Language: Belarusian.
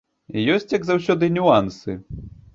Ёсць, як заўсёды, нюансы.